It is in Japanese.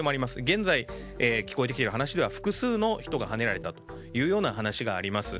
現在、聞こえてきている話では複数の人がはねられたというような話があります。